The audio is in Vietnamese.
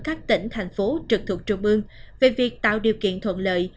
các tỉnh thành phố trực thuộc trung ương về việc tạo điều kiện thuận lợi